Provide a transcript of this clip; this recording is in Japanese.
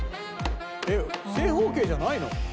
えっ正方形じゃないの？